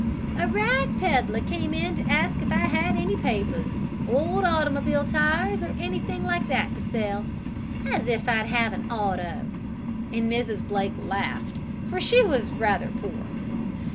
"A rag peddler came to ask if I had any papers, old automobile tires or anything like that to sell. As if I'd have an auto!" and Mrs. Blake laughed, for she was rather poor.